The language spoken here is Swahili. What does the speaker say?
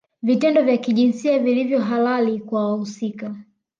Vitendo vya kijinsia vilivyo halali kwa wahusika